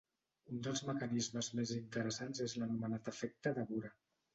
Un dels mecanismes més interessants és l'anomenat efecte de vora.